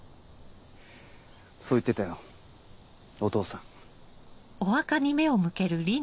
そう言ってたよお父さん。